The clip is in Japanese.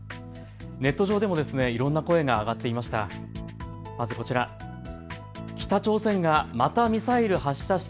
ネット上でもいろんな声が上がっていました。